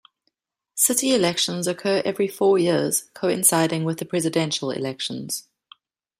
City elections occur every four years, coinciding with the presidential elections.